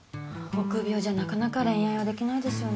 臆病じゃなかなか恋愛はできないですよね。